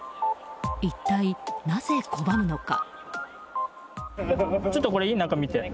一体なぜ拒むのか。